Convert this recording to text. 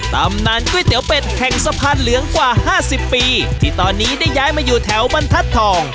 ตำนานก๋วยเตี๋ยวเป็ดแห่งสะพานเหลืองกว่าห้าสิบปีที่ตอนนี้ได้ย้ายมาอยู่แถวบรรทัศน์ทอง